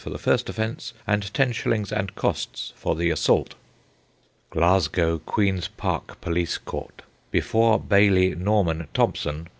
for the first offence, and 10s. and costs for the assault. Glasgow Queen's Park Police Court. Before Baillie Norman Thompson.